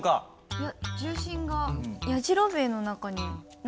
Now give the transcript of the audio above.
いや重心がやじろべえの中にないですよね？